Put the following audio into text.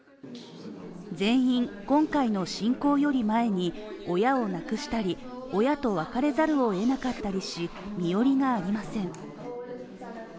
全員、今回の侵攻より前に、親を亡くしたり、親と別れざるを得なかったりし身寄りがありません。